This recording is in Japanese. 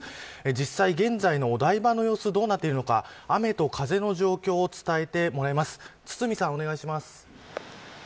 実際、現在のお台場の様子どうなっているのか雨と風の状況を伝えてもらいます。